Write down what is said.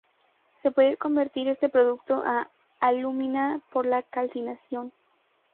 Se puede convertir este producto a alúmina por la calcinación.